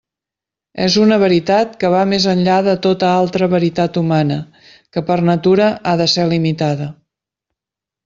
És una veritat que va més enllà de tota altra veritat humana, que per natura ha de ser limitada.